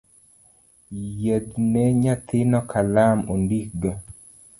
Yiedhne nyathino kalam ondikgo.